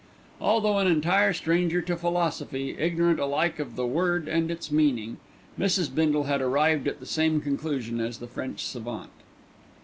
Although an entire stranger to philosophy, ignorant alike of the word and its meaning, Mrs. Bindle had arrived at the same conclusion as the French savant.